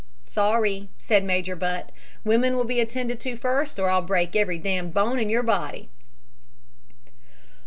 "'Sorry,' said Major Butt, 'women will be attended to first or I'll break every damned bone in your body.'